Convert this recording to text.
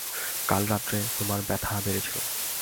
কাল রাত্রে তোমার ব্যথা বেড়েছিল।